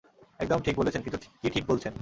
একদম ঠিক বলেছেন, কিন্তু কী ঠিক বলছেন?